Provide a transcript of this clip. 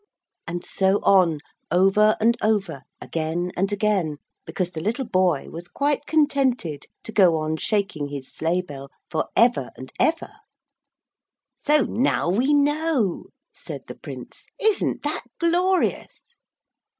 And so on, over and over, again and again, because the little boy was quite contented to go on shaking his sleigh bell for ever and ever. 'So now we know,' said the Prince, 'isn't that glorious?'